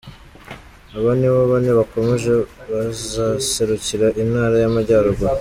Aba nibo bane bakomeje, bazaserukira Intara y'Amajyaruguru.